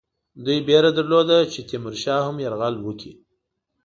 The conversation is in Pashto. دوی وېره درلوده چې تیمورشاه هم یرغل وکړي.